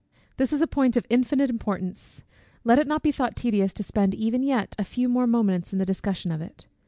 HOR. This is a point of infinite importance: let it not be thought tedious to spend even yet a few more moments in the discussion of it.